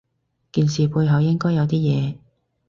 件事背後應該有啲嘢